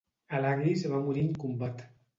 Alahis va morir en combat.